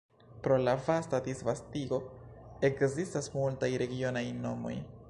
Pro la vasta disvastigo ekzistas multaj regionaj nomoj.